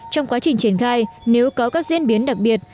trong quá trình triển khai nếu có các diễn biến đặc biệt